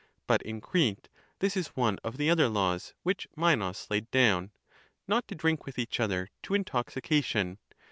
But in Crete this is one of the other! laws, which Minos laid down, "not to drink with each other to intoxication."